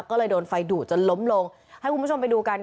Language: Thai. ก็เลยโดนไฟดูดจนล้มลงให้คุณผู้ชมไปดูกัน